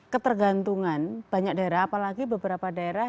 ketergantungan banyak daerah apalagi beberapa daerah